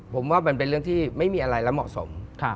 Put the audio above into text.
ผมว่ามันเป็นเรื่องที่ไม่มีอะไรและเหมาะสม